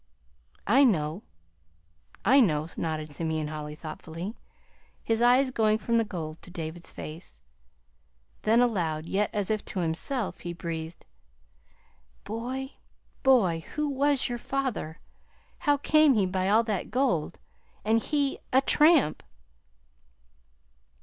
"I know, I know," nodded Simeon Holly thoughtfully, his eyes going from the gold to David's face. Then, aloud, yet as if to himself, he breathed: "Boy, boy, who was your father? How came he by all that gold and he a tramp!"